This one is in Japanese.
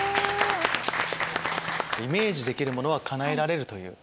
「イメージできるものは叶えられる」という言葉